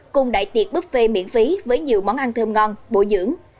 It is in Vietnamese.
cùng đại tiệc buffet miễn phí với nhiều món ăn thơm ngon bổ dưỡng